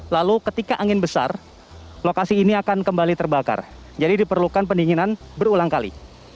lalu ketika angin besar lokasi ini akan kembali terbakar jadi diperlukan pendinginan berulang kali